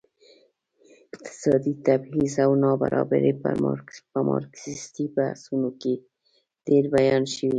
اقتصادي تبعيض او نابرابري په مارکسيستي بحثونو کې ډېر بیان شوي.